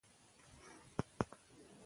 اداري مقررات د خدمت اسانتیا برابروي.